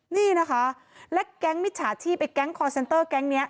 นี่นะคะและแก๊งมิจฉาชีพไอ้แก๊งคอร์เซ็นเตอร์แก๊งนี้